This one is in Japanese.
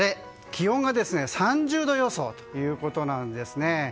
気温が３０度予想ということです。